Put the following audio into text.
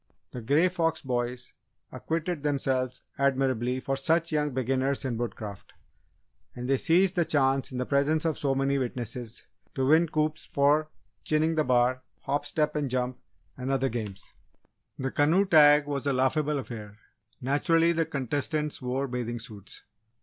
The Grey Fox boys acquitted themselves admirably for such young beginners in Woodcraft, and they seized the chance in the presence of so many witnesses to win coups for "chinning the bar," "hop, step, and jump" and other games. The canoe tag was a laughable affair naturally, the contestants wore bathing suits.